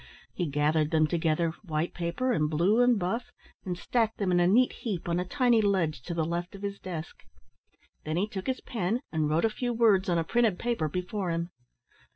He gathered them together, white paper and blue and buff and stacked them in a neat heap on a tiny ledge to the left of his desk. Then he took his pen and wrote a few words on a printed paper before him.